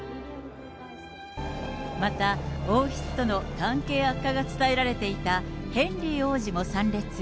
また、王室との関係悪化が伝えられていたヘンリー王子も参列。